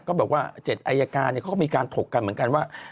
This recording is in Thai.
ก็บอกว่า๗อายการเขาก็มีการถกกันเหมือนกันว่า